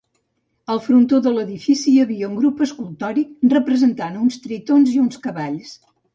Al frontó de l'edifici hi havia un grup escultòric representant uns tritons i uns cavalls.